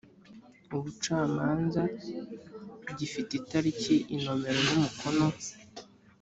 ubucamanza gifite itariki inomero numukono